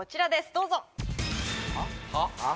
どうぞ・は？